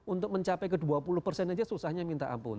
untuk mencapai ke dua puluh persen saja susahnya minta ampun